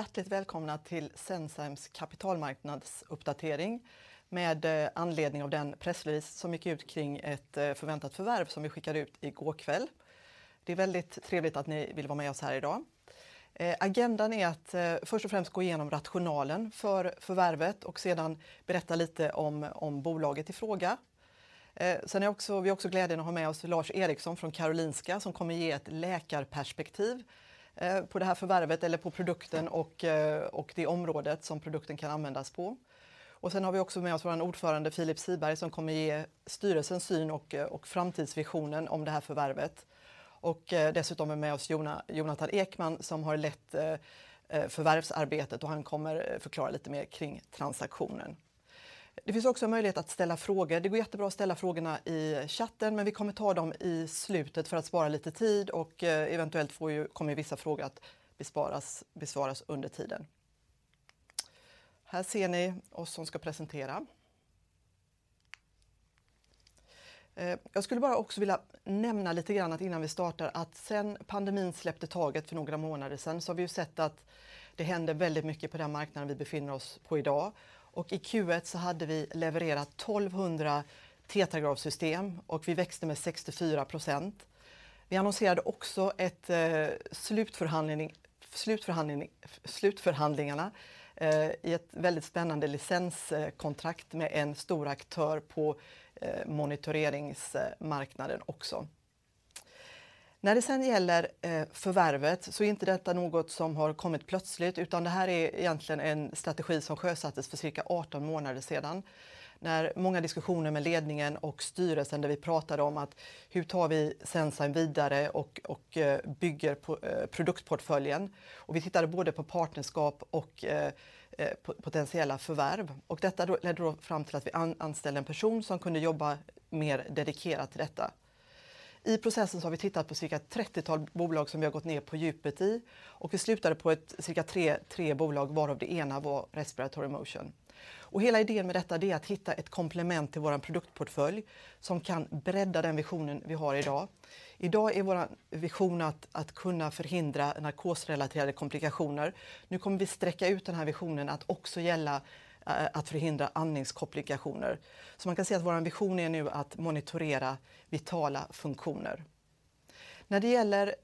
Hjärtligt välkomna till Senzime's kapitalmarknadsuppdatering med anledning av den pressrelease som gick ut kring ett förväntat förvärv som vi skickade ut i går kväll. Det är väldigt trevligt att ni vill vara med oss här i dag. Agendan är att först och främst gå igenom rationalen för förvärvet och sedan berätta lite om bolaget i fråga. Vi har också glädjen att ha med oss Lars Eriksson från Karolinska som kommer ge ett läkarperspektiv på det här förvärvet eller på produkten och det området som produkten kan användas på. Sen har vi också med oss vår ordförande Philip Siberg som kommer ge styrelsens syn och framtidsvisionen om det här förvärvet. Dessutom är med oss Jonathan Ekman som har lett förvärvsarbetet och han kommer förklara lite mer kring transaktionen. Det finns också möjlighet att ställa frågor. Det går jättebra att ställa frågorna i chatten, men vi kommer ta dem i slutet för att spara lite tid och eventuellt får ju, kommer vissa frågor att besvaras under tiden. Här ser ni oss som ska presentera. Jag skulle bara också vilja nämna lite grann att innan vi startar sedan pandemin släppte taget för några månader sedan så har vi ju sett att det händer väldigt mycket på den marknaden vi befinner oss på i dag. I Q1 så hade vi levererat 1,200 TetraGraph-system och vi växte med 64%. Vi annonserade också slutförhandlingarna i ett väldigt spännande licenskontrakt med en stor aktör på monitoreringsmarknaden också. När det sedan gäller förvärvet så är inte detta något som har kommit plötsligt, utan det här är egentligen en strategi som sjösattes för cirka 18 månader sedan. När många diskussioner med ledningen och styrelsen där vi pratade om att hur tar vi Senzime vidare och bygger på produktportföljen. Vi tittade både på partnerskap och potentiella förvärv. Detta ledde då fram till att vi anställde en person som kunde jobba mer dedikerat till detta. I processen så har vi tittat på cirka 30 bolag som vi har gått ner på djupet i och vi slutade på cirka 3 bolag, varav det ena var Respiratory Motion. Hela idén med detta det är att hitta ett komplement till vår produktportfölj som kan bredda den visionen vi har idag. Idag är vår vision att kunna förhindra narkosrelaterade komplikationer. Nu kommer vi sträcka ut den här visionen att också gälla att förhindra andningskomplikationer. Man kan säga att vår vision är nu att monitorera vitala funktioner. När det gäller,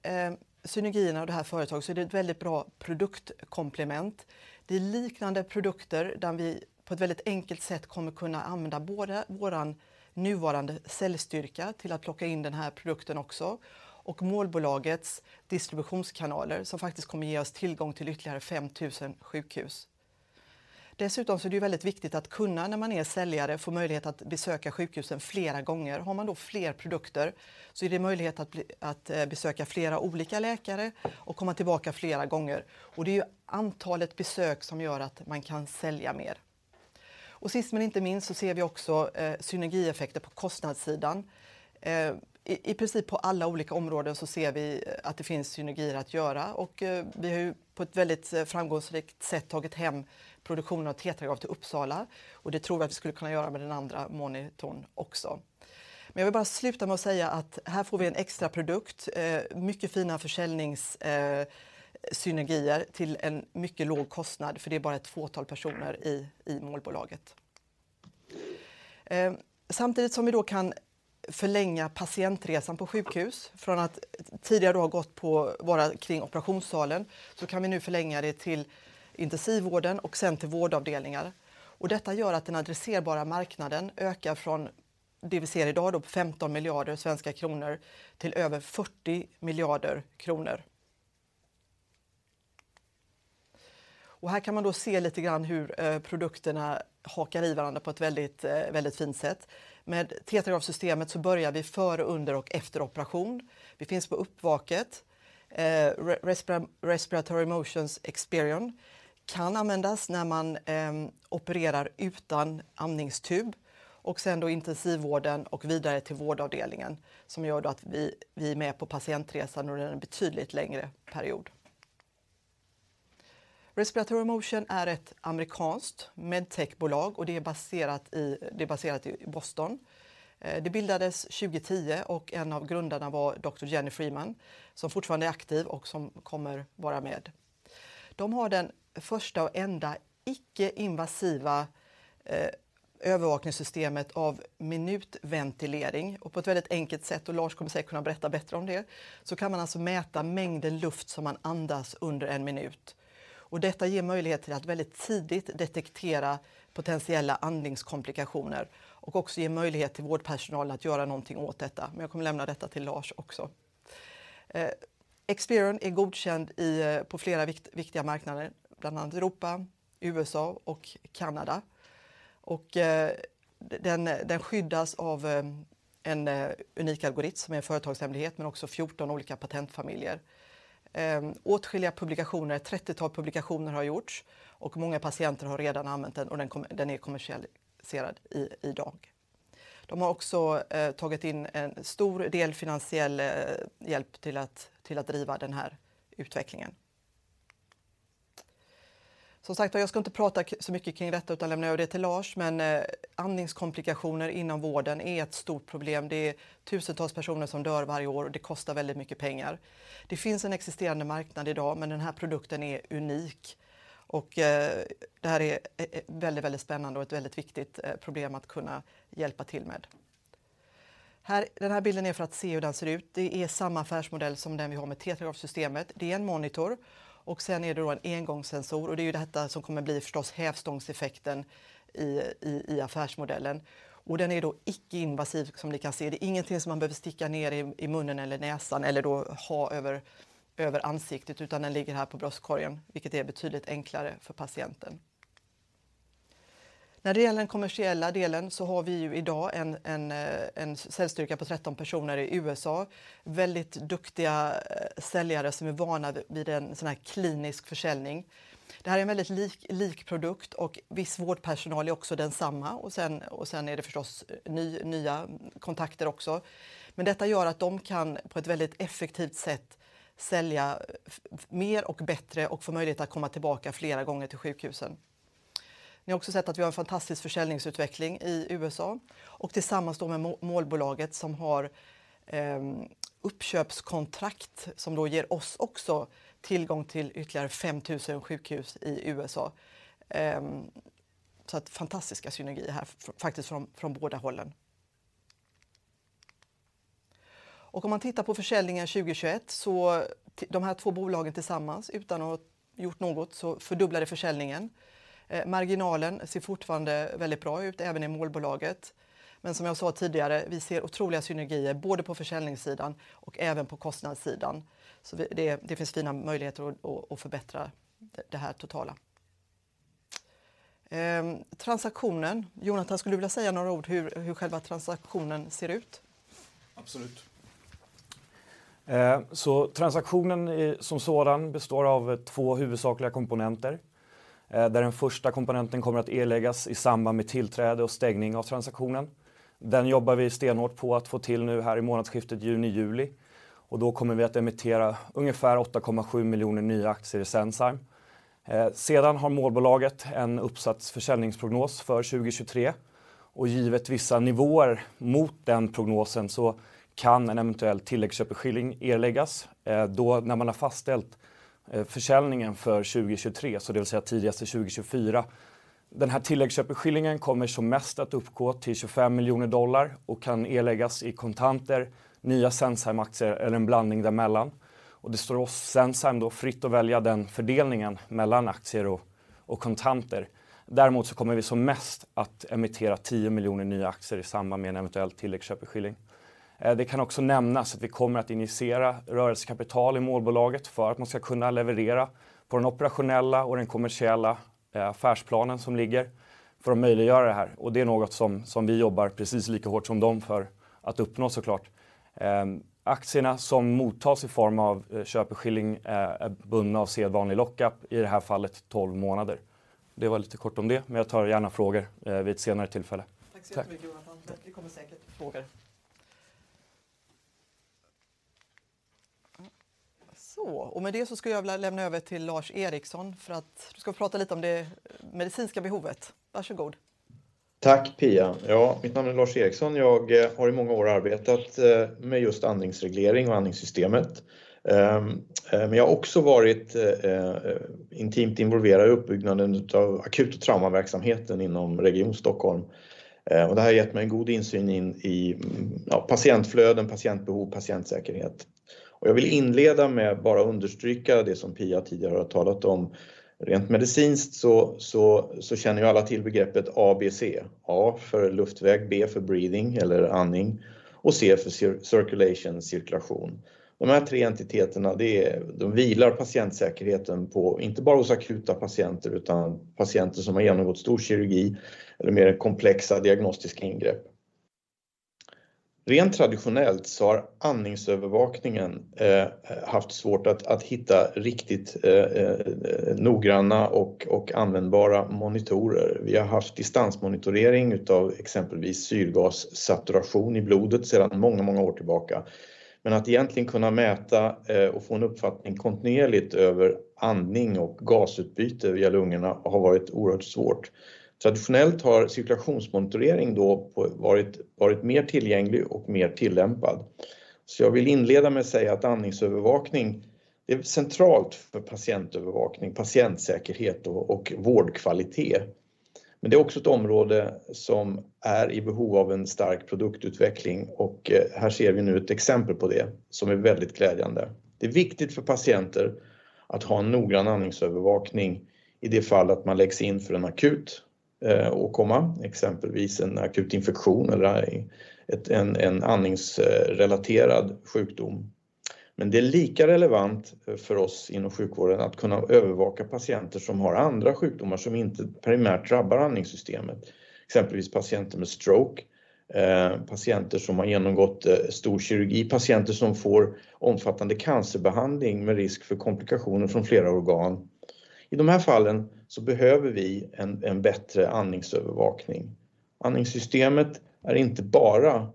synergierna och det här företaget så är det ett väldigt bra produktkomplement. Det är liknande produkter där vi på ett väldigt enkelt sätt kommer kunna använda både vår nuvarande säljstyrka till att plocka in den här produkten också. Målbolagets distributionskanaler som faktiskt kommer ge oss tillgång till ytterligare 5,000 sjukhus. Dessutom så är det väldigt viktigt att kunna, när man är säljare, få möjlighet att besöka sjukhusen flera gånger. Har man då fler produkter så är det möjlighet att bli, att besöka flera olika läkare och komma tillbaka flera gånger. Det är ju antalet besök som gör att man kan sälja mer. Sist men inte minst så ser vi också, synergieffekter på kostnadssidan. I princip på alla olika områden så ser vi att det finns synergier att göra och vi har ju på ett väldigt framgångsrikt sätt tagit hem produktionen av TetraGraph till Uppsala och det tror jag att vi skulle kunna göra med den andra monitorn också. Men jag vill bara sluta med att säga att här får vi en extra produkt, mycket fina försäljnings synergier till en mycket låg kostnad, för det är bara ett fåtal personer i målbolaget. Samtidigt som vi då kan förlänga patientresan på sjukhus från att tidigare vara kring operationssalen, så kan vi nu förlänga det till intensivvården och sen till vårdavdelningar. Detta gör att den adresserbara marknaden ökar från det vi ser i dag då 15 miljarder kronor till över SEK 40 miljarder. Här kan man då se lite grann hur produkterna hakar i varandra på ett väldigt fint sätt. Med TetraGraph-systemet så börjar vi före, under och efter operation. Vi finns på uppvaket. Respiratory Motion's ExSpiron kan användas när man opererar utan andningstub och sen då intensivvården och vidare till vårdavdelningen, som gör då att vi är med på patientresan under en betydligt längre period. Respiratory Motion är ett amerikanskt Medtech-bolag och det är baserat i Boston. Det bildades 2010 och en av grundarna var Dr. Jenny Freeman som fortfarande är aktiv och som kommer vara med. De har den första och enda icke-invasiva övervakningssystemet av minutventilation. På ett väldigt enkelt sätt, och Lars kommer säkert kunna berätta bättre om det, så kan man alltså mäta mängden luft som man andas under en minut. Detta ger möjlighet till att väldigt tidigt detektera potentiella andningskomplikationer och också ge möjlighet till vårdpersonal att göra någonting åt detta. Jag kommer lämna detta till Lars också. ExSpiron är godkänd i, på flera viktiga marknader, bland annat Europa, USA och Kanada. Den skyddas av en unik algoritm som är företagshemlighet men också 14 olika patentfamiljer. Åtskilliga publikationer, ett 30-tal publikationer har gjorts och många patienter har redan använt den och den är kommersialiserad i dag. De har också tagit in en stor del finansiell hjälp till att driva den här utvecklingen. Som sagt var, jag ska inte prata så mycket kring detta utan lämna över det till Lars. Andningskomplikationer inom vården är ett stort problem. Det är tusentals personer som dör varje år och det kostar väldigt mycket pengar. Det finns en existerande marknad idag, men den här produkten är unik och det här är väldigt spännande och ett väldigt viktigt problem att kunna hjälpa till med. Här, den här bilden är för att se hur den ser ut. Det är samma affärsmodell som den vi har med TetraGraph-systemet. Det är en monitor och sen är det då en engångssensor och det är ju detta som kommer bli förstås hävstångseffekten i affärsmodellen. Den är då icke-invasiv som ni kan se. Det är ingenting som man behöver sticka ner i munnen eller näsan eller då ha över ansiktet, utan den ligger här på bröstkorgen, vilket är betydligt enklare för patienten. När det gäller den kommersiella delen så har vi ju idag en säljstyrka på 13 personer i USA. Väldigt duktiga säljare som är vana vid en sån här klinisk försäljning. Det här är en väldigt lik produkt och viss vårdpersonal är också densamma. Sen är det förstås nya kontakter också. Detta gör att de kan på ett väldigt effektivt sätt sälja mer och bättre och få möjlighet att komma tillbaka flera gånger till sjukhusen. Ni har också sett att vi har en fantastisk försäljningsutveckling i USA och tillsammans då med målbolaget som har uppköpskontrakt som då ger oss också tillgång till ytterligare 5,000 sjukhus i USA. Fantastiska synergi här, faktiskt från båda hållen. Om man tittar på försäljningen 2021 så de här två bolagen tillsammans utan att gjort något så fördubblade försäljningen. Marginalen ser fortfarande väldigt bra ut, även i målbolaget. Som jag sa tidigare, vi ser otroliga synergier, både på försäljningssidan och även på kostnadssidan. Det finns fina möjligheter att förbättra det här totala. Transaktionen. Jonatan, skulle du vilja säga några ord hur själva transaktionen ser ut? Absolut. Transaktionen som sådan består av två huvudsakliga komponenter. Där den första komponenten kommer att erläggas i samband med tillträde och stängning av transaktionen. Den jobbar vi stenhårt på att få till nu här i månadsskiftet juni, juli och då kommer vi att emittera ungefär 8.7 miljoner nya aktier i Senzime. Sedan har målbolaget en uppsatt försäljningsprognos för 2023 och givet vissa nivåer mot den prognosen så kan en eventuell tilläggsköpeskilling erläggas. Då när man har fastställt försäljningen för 2023, så det vill säga tidigast 2024. Den här tilläggsköpeskillingen kommer som mest att uppgå till $25 million och kan erläggas i kontanter, nya Senzime-aktier eller en blandning däremellan. Det står oss Senzime då fritt att välja den fördelningen mellan aktier och kontanter. Däremot så kommer vi som mest att emittera 10 miljoner nya aktier i samband med en eventuell tilläggsköpeskilling. Det kan också nämnas att vi kommer att injicera rörelsekapital i målbolaget för att man ska kunna leverera på den operationella och den kommersiella affärsplanen som ligger för att möjliggöra det här. Det är något som vi jobbar precis lika hårt som dem för att uppnå så klart. Aktierna som mottas i form av köpeskilling är bundna av sedvanlig lock-up, i det här fallet 12 månader. Det var lite kort om det, men jag tar gärna frågor vid ett senare tillfälle. Tack så jättemycket, Jonathan. Det kommer säkert frågor. Med det så skulle jag vilja lämna över till Lars Eriksson för att du ska prata lite om det medicinska behovet. Varsågod. Tack Pia. Mitt namn är Lars Ericsson. Jag har i många år arbetat med just andningsreglering och andningssystemet. Men jag har också varit intimt involverad i uppbyggnaden av akut- och traumaverksamheten inom Region Stockholm. Det här har gett mig en god insyn i patientflöden, patientbehov, patientsäkerhet. Jag vill inleda med att bara understryka det som Pia tidigare har talat om. Rent medicinskt känner ju alla till begreppet ABC. A för luftväg, B för breathing eller andning och C för circulation, cirkulation. De här tre entiteterna vilar patientsäkerheten på inte bara hos akuta patienter utan patienter som har genomgått stor kirurgi eller mer komplexa diagnostiska ingrepp. Rent traditionellt har andningsövervakningen haft svårt att hitta riktigt noggranna och användbara monitorer. Vi har haft distansmonitorering av exempelvis syrgassaturation i blodet sedan många år tillbaka. Att egentligen kunna mäta och få en uppfattning kontinuerligt över andning och gasutbyte via lungorna har varit oerhört svårt. Traditionellt har cirkulationsmonitorering då varit mer tillgänglig och mer tillämpad. Jag vill inleda med att säga att andningsövervakning, det är centralt för patientövervakning, patientsäkerhet och vårdkvalitet. Det är också ett område som är i behov av en stark produktutveckling och här ser vi nu ett exempel på det som är väldigt glädjande. Det är viktigt för patienter att ha en noggrann andningsövervakning i det fall att man läggs in för en akut åkomma, exempelvis en akut infektion eller en andningsrelaterad sjukdom. Det är lika relevant för oss inom sjukvården att kunna övervaka patienter som har andra sjukdomar som inte primärt drabbar andningssystemet. Exempelvis patienter med stroke, patienter som har genomgått stor kirurgi, patienter som får omfattande cancerbehandling med risk för komplikationer från flera organ. I de här fallen så behöver vi en bättre andningsövervakning. Andningssystemet är inte bara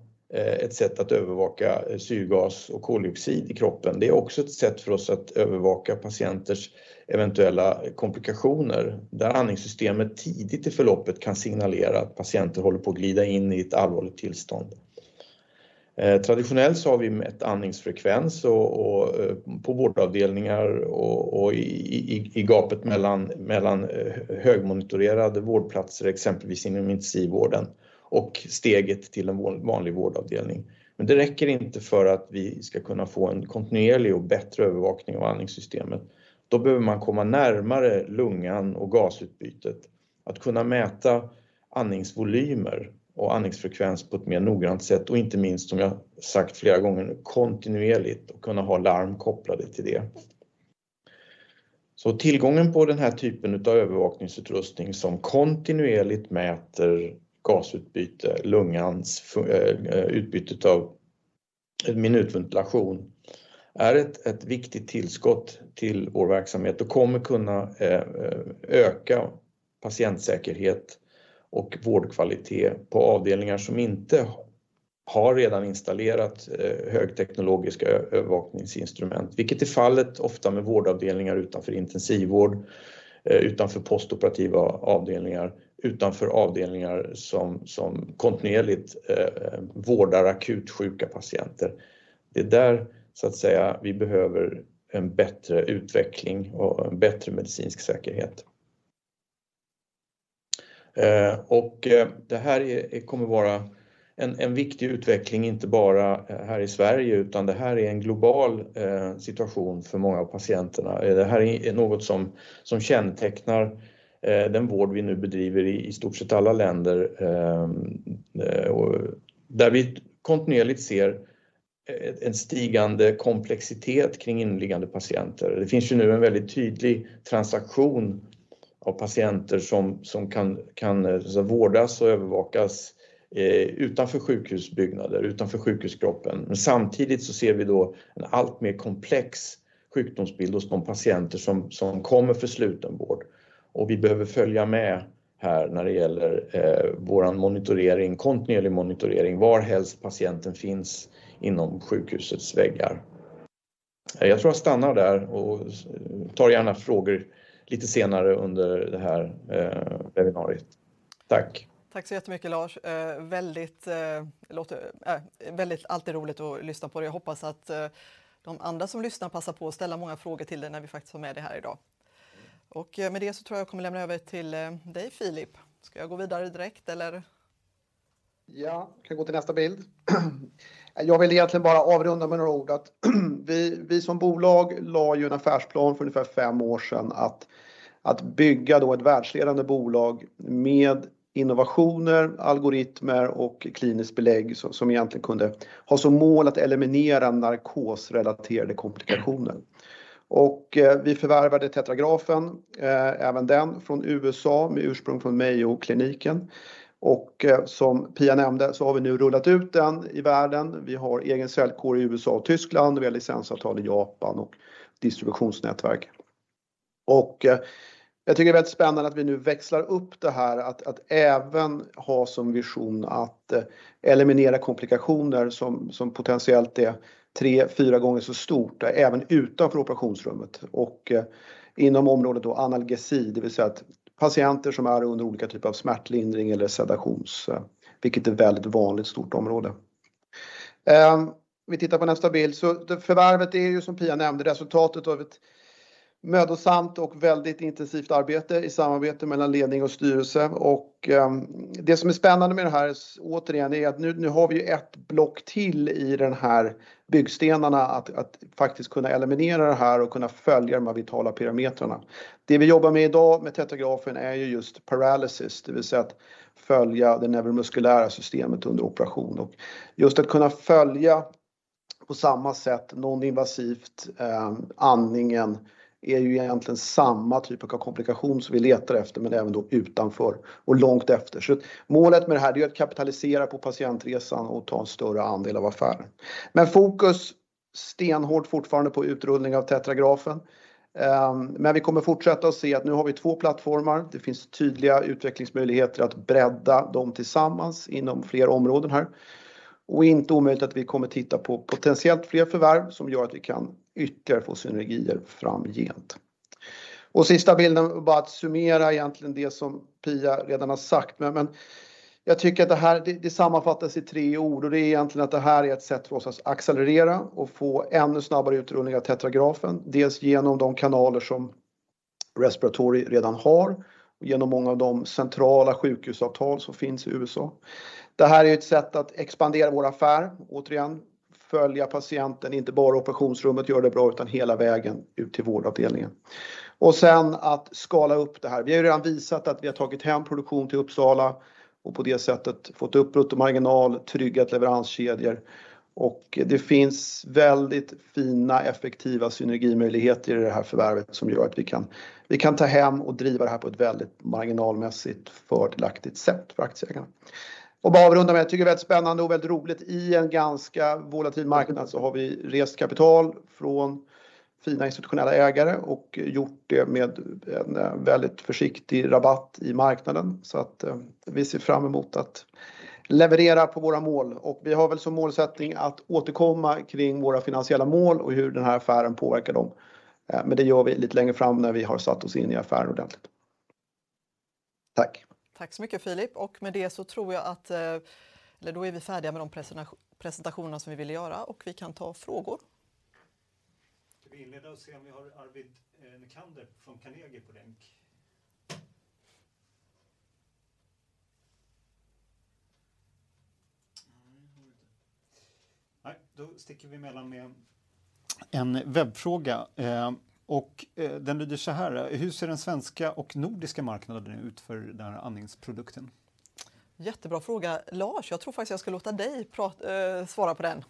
ett sätt att övervaka syrgas och koldioxid i kroppen. Det är också ett sätt för oss att övervaka patienters eventuella komplikationer där andningssystemet tidigt i förloppet kan signalera att patienter håller på att glida in i ett allvarligt tillstånd. Traditionellt så har vi mätt andningsfrekvens och på vårdavdelningar och i gapet mellan högmonitorerade vårdplatser, exempelvis inom intensivvården och steget till en vanlig vårdavdelning. Men det räcker inte för att vi ska kunna få en kontinuerlig och bättre övervakning av andningssystemet. Då behöver man komma närmare lungan och gasutbytet. Att kunna mäta andningsvolymer och andningsfrekvens på ett mer noggrant sätt och inte minst, som jag sagt flera gånger, kontinuerligt kunna ha larm kopplade till det. Tillgången på den här typen utav övervakningsutrustning som kontinuerligt mäter gasutbyte, lungans funktion, utbytet av minutventilation är ett viktigt tillskott till vår verksamhet och kommer kunna öka patientsäkerhet och vårdkvalitet på avdelningar som inte har redan installerat högteknologiska övervakningsinstrument, vilket är fallet ofta med vårdavdelningar utanför intensivvård, utanför postoperativa avdelningar, utanför avdelningar som kontinuerligt vårdar akut sjuka patienter. Det är där så att säga vi behöver en bättre utveckling och en bättre medicinsk säkerhet. Det här kommer vara en viktig utveckling, inte bara här i Sverige, utan det här är en global situation för många av patienterna. Det här är något som kännetecknar den vård vi nu bedriver i stort sett alla länder, där vi kontinuerligt ser en stigande komplexitet kring inneliggande patienter. Det finns ju nu en väldigt tydlig transaktion av patienter som kan så att säga vårdas och övervakas utanför sjukhusbyggnader, utanför sjukhuskroppen. Men samtidigt så ser vi då en allt mer komplex sjukdomsbild hos de patienter som kommer för slutenvård. Vi behöver följa med här när det gäller vår monitorering, kontinuerlig monitorering, var helst patienten finns inom sjukhusets väggar. Jag tror jag stannar där och tar gärna frågor lite senare under det här webbinariet. Tack. Tack så jättemycket Lars. Det låter alltid väldigt roligt att lyssna på det. Jag hoppas att de andra som lyssnar passar på att ställa många frågor till dig när vi faktiskt har med dig här i dag. Med det så tror jag att jag kommer lämna över till dig Philip. Ska jag gå vidare direkt eller? Ja, du kan gå till nästa bild. Jag vill egentligen bara avrunda med några ord att vi som bolag la ju en affärsplan för ungefär fem år sedan att bygga då ett världsledande bolag med innovationer, algoritmer och kliniskt belägg som egentligen kunde ha som mål att eliminera narkosrelaterade komplikationer. Vi förvärvade TetraGraph, även den från USA med ursprung från Mayo Clinic. Som Pia nämnde så har vi nu rullat ut den i världen. Vi har egen säljkår i USA och Tyskland. Vi har licensavtal i Japan och distributionsnätverk. Jag tycker det är väldigt spännande att vi nu växlar upp det här att även ha som vision att eliminera komplikationer som potentiellt är 3, 4 gånger så stort även utanför operationsrummet och inom området då analgesi, det vill säga att patienter som är under olika typer av smärtlindring eller sedering, vilket är väldigt vanligt stort område. Vi tittar på nästa bild. Förvärvet är ju som Pia nämnde, resultatet av ett mödosamt och väldigt intensivt arbete i samarbete mellan ledning och styrelse. Det som är spännande med det här återigen är att nu har vi ett block till i den här byggstenarna att faktiskt kunna eliminera det här och kunna följa de här vitala parametrarna. Det vi jobbar med i dag med TetraGraph är ju just paralysis, det vill säga att följa det neuromuskulära systemet under operation. Just att kunna följa på samma sätt non-invasivt andningen är ju egentligen samma typ av komplikation som vi letar efter, men även då utanför och långt efter. Målet med det här är att kapitalisera på patientresan och ta en större andel av affären. Fokus stenhårt fortfarande på utrullning av TetraGraph. Vi kommer att fortsätta att se att nu har vi två plattformar. Det finns tydliga utvecklingsmöjligheter att bredda dem tillsammans inom fler områden här. Inte omöjligt att vi kommer titta på potentiellt fler förvärv som gör att vi kan ytterligare få synergier framgent. Sista bilden, bara att summera egentligen det som Pia redan har sagt. Jag tycker att det här, det sammanfattas i tre ord och det är egentligen att det här är ett sätt för oss att accelerera och få ännu snabbare utrullning av TetraGraphen, dels genom de kanaler som Respiratory redan har, genom många av de centrala sjukhusavtal som finns i USA. Det här är ett sätt att expandera vår affär. Återigen, följa patienten, inte bara operationsrummet gör det bra, utan hela vägen ut till vårdavdelningen. Och sen att skala upp det här. Vi har redan visat att vi har tagit hem produktion till Uppsala och på det sättet fått upp bruttomarginal, tryggat leveranskedjor. Det finns väldigt fina effektiva synergimöjligheter i det här förvärvet som gör att vi kan ta hem och driva det här på ett väldigt marginalmässigt fördelaktigt sätt för aktieägarna. Bara avrunda med att jag tycker det är väldigt spännande och väldigt roligt i en ganska volatil marknad så har vi rest kapital från fina institutionella ägare och gjort det med en väldigt försiktig rabatt i marknaden. Vi ser fram emot att leverera på våra mål. Vi har väl som målsättning att återkomma kring våra finansiella mål och hur den här affären påverkar dem. Det gör vi lite längre fram när vi har satt oss in i affären ordentligt. Tack. Tack så mycket Philip. Med det så tror jag att, eller då är vi färdiga med de presentationerna som vi ville göra och vi kan ta frågor. Ska vi inleda och se om vi har Arvid Nicander från Carnegie på länk? Nej, det har vi inte. Nej, då sticker vi emellan med en webbfråga. Och den lyder såhär: Hur ser den svenska och nordiska marknaden ut för den här andningsprodukten? Jättebra fråga. Lars, jag tror faktiskt att jag ska låta dig prata, svara på den.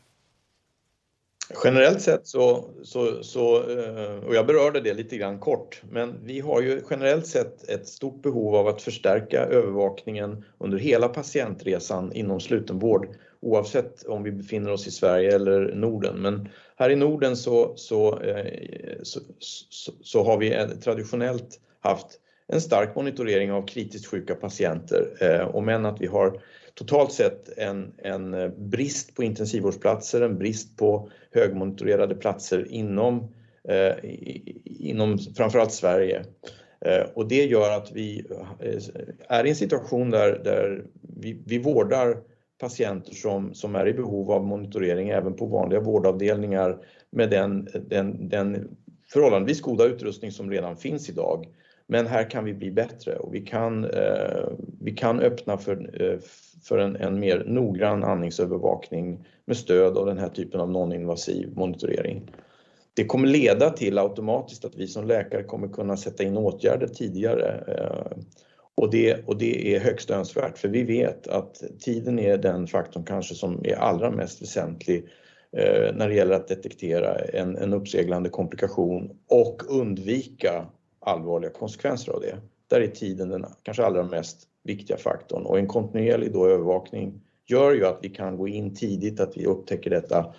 Generellt sett så och jag berörde det lite grann kort, men vi har ju generellt sett ett stort behov av att förstärka övervakningen under hela patientresan inom slutenvård, oavsett om vi befinner oss i Sverige eller Norden. Här i Norden så har vi traditionellt haft en stark monitorering av kritiskt sjuka patienter. Men att vi har totalt sett en brist på intensivvårdsplatser, en brist på högmonitorerade platser inom framför allt Sverige. Det gör att vi är i en situation där vi vårdar patienter som är i behov av monitorering även på vanliga vårdavdelningar med den förhållandevis goda utrustning som redan finns i dag. Här kan vi bli bättre och vi kan öppna för en mer noggrann andningsövervakning med stöd av den här typen av non-invasiv monitorering. Det kommer leda till automatiskt att vi som läkare kommer kunna sätta in åtgärder tidigare. Det är högst önskvärt för vi vet att tiden är den faktorn kanske som är allra mest väsentlig när det gäller att detektera en uppseglande komplikation och undvika allvarliga konsekvenser av det. Där är tiden den kanske allra mest viktiga faktorn. En kontinuerlig då övervakning gör ju att vi kan gå in tidigt, att vi upptäcker detta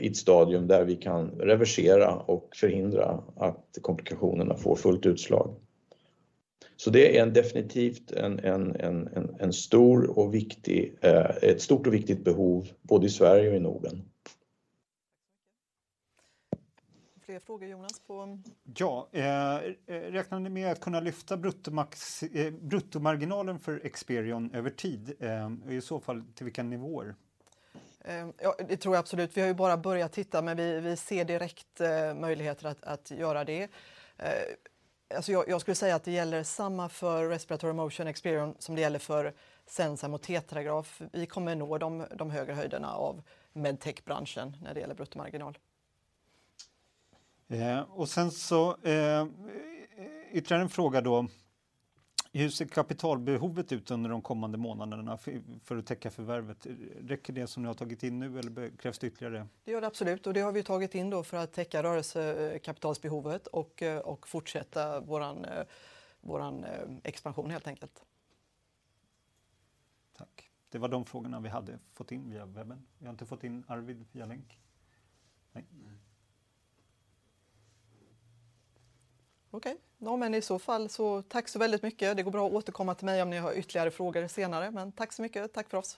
i ett stadium där vi kan reversera och förhindra att komplikationerna får fullt utslag. Det är definitivt ett stort och viktigt behov, både i Sverige och i Norden. Fler frågor, Jonas? Ja, räknar ni med att kunna lyfta bruttomarginalen för ExSpiron över tid? I så fall, till vilka nivåer? Det tror jag absolut. Vi har ju bara börjat titta, men vi ser direkt möjligheter att göra det. Alltså jag skulle säga att det gäller samma för Respiratory Motion ExSpiron som det gäller för Senzime och TetraGraph. Vi kommer att nå de högre höjderna av Medtech-branschen när det gäller bruttomarginal. Ytterligare en fråga då. Hur ser kapitalbehovet ut under de kommande månaderna för att täcka förvärvet? Räcker det som ni har tagit in nu eller krävs det ytterligare? Det gör det absolut och det har vi tagit in då för att täcka rörelsekapitalsbehovet och fortsätta våran expansion helt enkelt. Tack. Det var de frågorna vi hade fått in via webben. Vi har inte fått in Arvid via länk? Nej. Okej, nåmen i så fall så tack så väldigt mycket. Det går bra att återkomma till mig om ni har ytterligare frågor senare, men tack så mycket. Tack för oss.